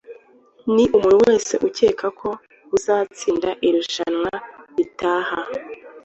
Ni umuntu wese ukeka ko uzatsinda irushanwa ritaha